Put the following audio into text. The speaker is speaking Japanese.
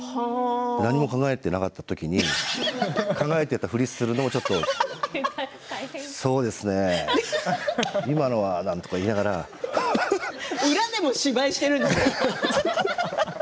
何も考えていなかった時に考えていたふりをするのもちょっとそうですね、今のはって裏でも芝居してるんですね。